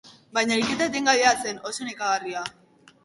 Baina ariketa etengabea zen, oso nekagarria.